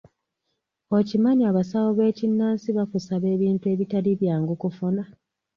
Okimanyi abasawo b'ekinnansi bakusaba ebintu ebitali byangu kufuna.